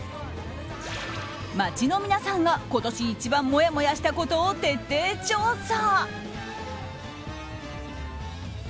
街の皆さんが、今年一番もやもやしたことを徹底調査。